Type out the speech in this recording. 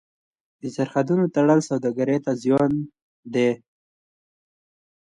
د سرحدونو تړل سوداګر ته زیان دی.